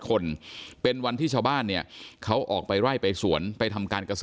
คนเป็นวันที่ชาวบ้านเนี่ยเขาออกไปไล่ไปสวนไปทำการเกษตร